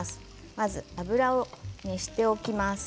まず油を熱しておきます。